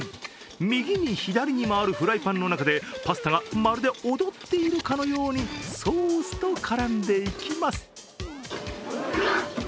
右に左に回るフライパンの中でパスタがまるで踊っているかのようにソースと絡んでいきます。